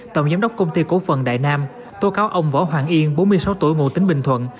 tổng giám đốc công ty cố phận đại nam tố cáo ông võ hoàng yên bốn mươi sáu tuổi nguồn tính bình thuận